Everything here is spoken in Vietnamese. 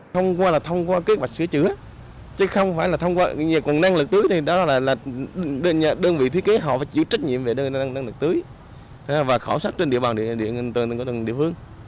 thông qua là thông qua kế hoạch sửa chữa chứ không phải là thông qua năng lực tưới thì đó là đơn vị thiết kế họ phải chịu trách nhiệm về năng lực tưới và khảo sát trên địa bàn của tầng địa phương